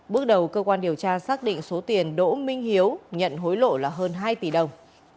bước đầu cơ quan điều tra xác định số tiền đỗ minh hiếu nhận hối lộ là hơn hai tỷ đồng